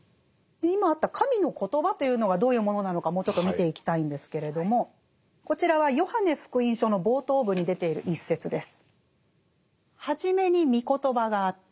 今あった神の言葉というのがどういうものなのかもうちょっと見ていきたいんですけれどもこちらは「ヨハネ福音書」の冒頭部に出ている一節です。